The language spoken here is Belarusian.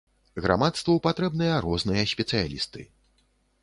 Грамадству патрэбныя розныя спецыялісты.